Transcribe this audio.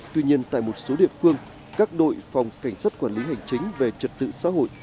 tuy nhiên tại một số địa phương các đội phòng cảnh sát quản lý hành chính về trật tự xã hội